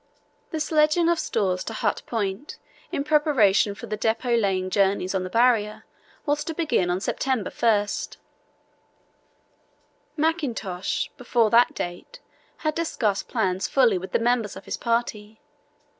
The sledging of stores to Hut Point, in preparation for the depot laying journeys on the Barrier, was to begin on September 1. Mackintosh, before that date, had discussed plans fully with the members of his party.